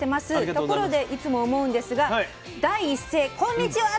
ところでいつも思うんですが第一声『こんにちは』って始めてます。